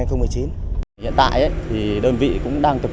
hiện tại đơn vị cũng đang tiến đội